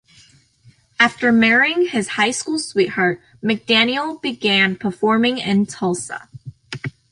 After marrying his high school sweetheart, McDaniel began performing in Tulsa.